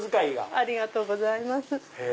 ありがとうございます。